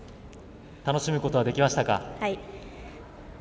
楽しむことはできましたか？